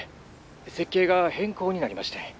設計が変更になりましてん。